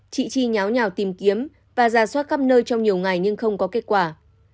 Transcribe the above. chị chi nháo nhào tìm kiếm và ra soát khắp nơi trong nhiều ngày nhưng không có kết quả